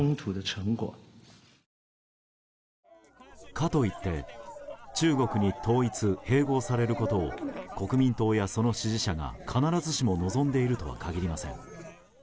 かといって中国に統一・併合されることを国民党やその支持者が必ずしも望んでいるとは限りません。